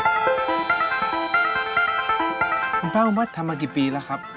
คุณป้าวัดทำมากี่ปีแล้วครับ